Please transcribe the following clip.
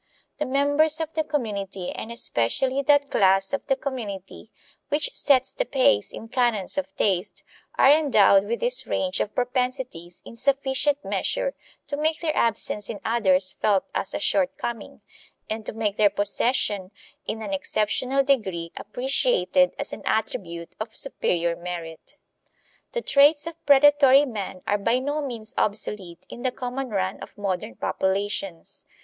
The members of the community, and especially that class of the community which sets the pace in canons of taste, are endowed with this range of propensities in sufficient measure to make their absence in others felt as a shortcoming, and to make their possession in an exceptional degree appreciated as an attribute of superior merit. The traits of predatory man are by no means obsolete in the common run of modern populations.